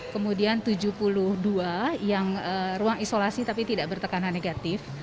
kemudian tujuh puluh dua yang ruang isolasi tapi tidak bertekanan negatif